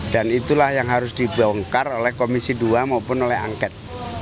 dan itulah yang harus dibongkar oleh komisi dua maupun oleh angket